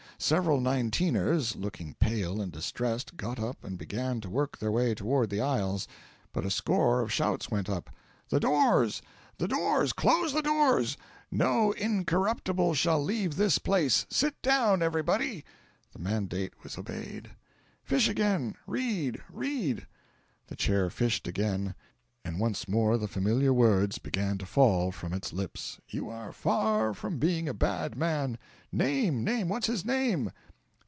Several Nineteeners, looking pale and distressed, got up and began to work their way towards the aisles, but a score of shouts went up: "The doors, the doors close the doors; no Incorruptible shall leave this place! Sit down, everybody!" The mandate was obeyed. "Fish again! Read! read!" The Chair fished again, and once more the familiar words began to fall from its lips "'You are far from being a bad man '" "Name! name! What's his name?"